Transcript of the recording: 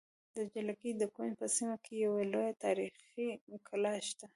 د جلگې د کونج په سیمه کې یوه لویه تاریخې کلا شته